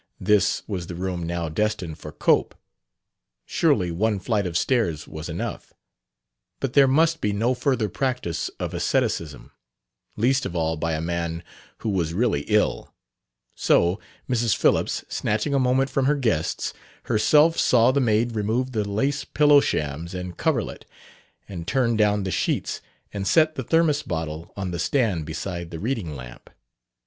This was the room now destined for Cope; surely one flight of stairs was enough. But there must be no further practice of asceticism, least of all by a man who was really ill; so Mrs. Phillips, snatching a moment from her guests, herself saw the maid remove the lace pillow shams and coverlet, and turn down the sheets, and set the thermos bottle on the stand beside the reading lamp....